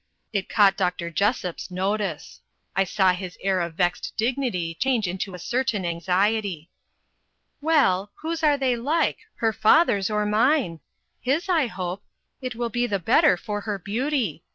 It caught Dr. Jessop's notice. I saw his air of vexed dignity change into a certain anxiety. "Well, whose are they like her father's or mine? His, I hope it will be the better for her beauty.